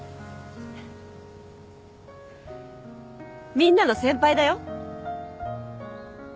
みんなの先輩だよ。